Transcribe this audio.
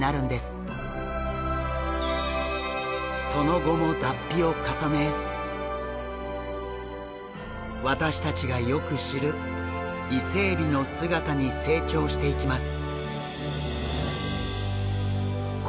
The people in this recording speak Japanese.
その後も脱皮を重ね私たちがよく知るイセエビの姿に成長していきます。